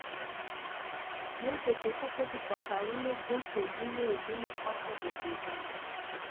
نور د ټوپکو په پاکولو بوخت وو، ځينې يوې بلې خواته ګرځېدل.